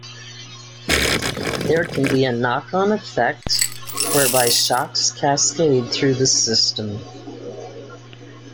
There can be a knock-on effect, whereby shocks cascade through the system.